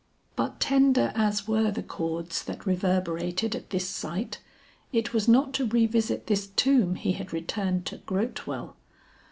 But tender as were the chords that reverberated at this sight, it was not to revisit this tomb he had returned to Grotewell.